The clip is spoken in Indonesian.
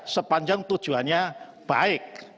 sepanjang tujuannya baik